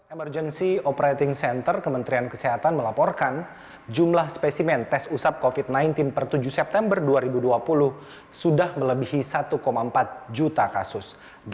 emergency operating center kementerian kesehatan melaporkan jumlah spesimen tes usap covid sembilan belas per tujuh september dua ribu dua puluh sudah melebihi satu empat juta kasus